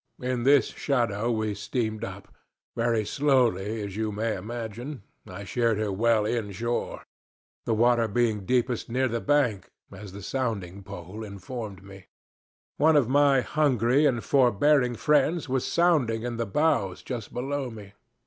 In this shadow we steamed up very slowly, as you may imagine. I sheered her well inshore the water being deepest near the bank, as the sounding pole informed me. "One of my hungry and forbearing friends was sounding in the bows just below me.